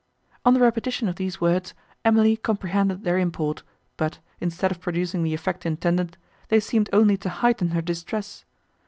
On the repetition of these words, Emily comprehended their import, but, instead of producing the effect intended, they seemed only to heighten her distress.